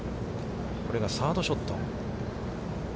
これがサードショット。